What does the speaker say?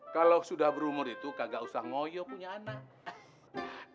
kalau sudah berumur itu kagak usah ngoyo punya anak